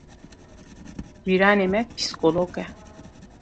Cîranê me psîkolog e.